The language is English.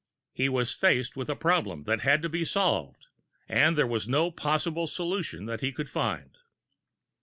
He was faced with a problem that had to be solved and there was no possible solution that he could find.